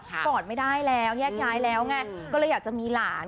กอดไม่ได้แล้วแยกย้ายแล้วไงก็เลยอยากจะมีหลาน